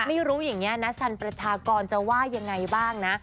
ไม่รู้อย่างนี้นะสันประชากรจะว่ายังไงบ้างนะ